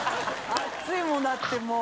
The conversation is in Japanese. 熱いもんだってもう。